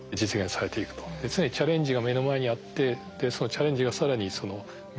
常にチャレンジが目の前にあってでそのチャレンジが更に実る。